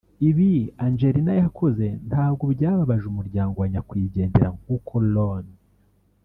Ibi Angelina yakoze ntabwo byababaje umuryango wa nyakwigendera nk’uko Ron